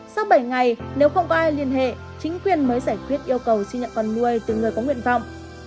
sau bảy ngày nếu không có ai liên hệ chính quyền mới giải quyết yêu cầu xin nhận con nuôi từ người có nguyện vọng